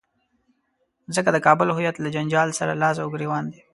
ځکه د کابل هویت له جنجال سره لاس او ګرېوان دی.